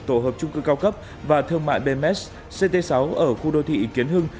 tổ hợp trung cư cao cấp và thương mại bms ct sáu ở khu đô thị kiến hưng